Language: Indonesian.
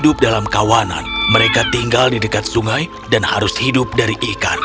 di dekat sungai dan harus hidup dari ikan